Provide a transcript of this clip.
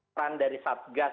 peran dari transapgas